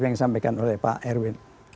yang disampaikan oleh pak erwin